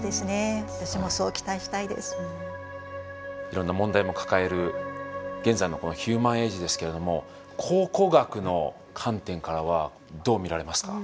いろんな問題も抱える現在のこのヒューマン・エイジですけれども考古学の観点からはどう見られますか？